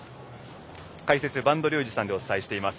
解説、播戸竜二さんでお伝えしています。